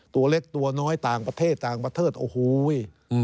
ตัวเล็กตัวน้อยต่างประเทศต่างประเทศโอ้โห